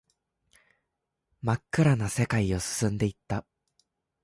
真っ暗な世界を進んでいった